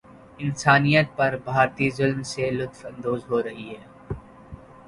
انسانیت پر بھارتی ظلم سے لطف اندوز ہورہی ہے